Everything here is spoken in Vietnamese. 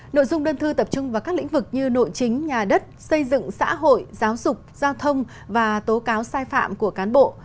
nội dung đơn thư tập trung vào các lĩnh vực như nội chính nhà đất xây dựng xã hội giáo dục giao thông và tố cáo sai phạm của cán bộ